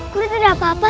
guru guru tidak apa apa